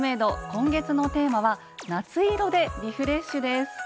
今月のテーマは「夏色で、リフレッシュ」です。